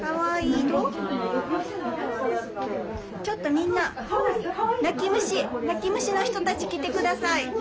ちょっとみんな泣き虫の人たち来て下さい。